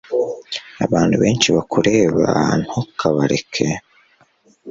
Abantu benshi barakureba Ntukabareke